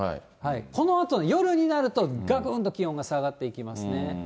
このあと夜になると、がくんと気温が下がっていきますね。